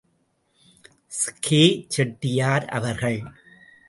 K. Chettiar அவர்கள்.